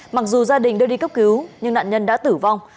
mặc dù gia đình đưa đi cấp cứu nhưng nạn nhân đã tử vong